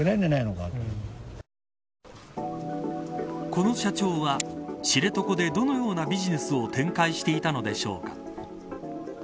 この社長は知床でどのようなビジネスを展開していたのでしょうか。